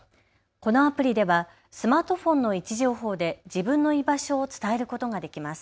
このアプリではスマートフォンの位置情報で自分の居場所を伝えることができます。